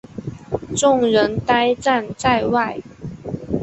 众人呆站在外